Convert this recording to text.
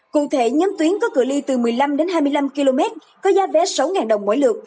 cụ thể nhóm tuyến có cửa ly từ một mươi năm đến hai mươi năm km có giá vé sáu đồng mỗi lượt